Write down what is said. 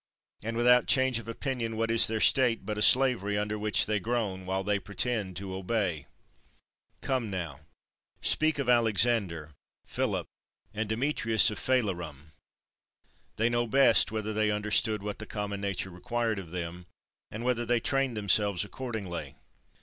And without change of opinion what is their state but a slavery, under which they groan, while they pretend to obey? Come now; speak of Alexander, Philip, and Demetrius of Phalerum. They know best whether they understood what the common nature required of them, and whether they trained themselves accordingly.